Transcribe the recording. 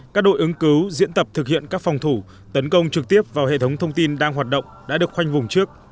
các đội ứng cứu diễn tập thực hiện các phòng thủ tấn công trực tiếp vào hệ thống thông tin đang hoạt động đã được khoanh vùng trước